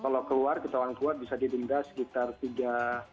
kalau keluar ketawan keluar bisa didenda sekitar tiga lira